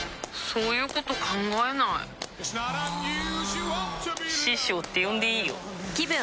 そういうこと考えないあ師匠って呼んでいいよぷ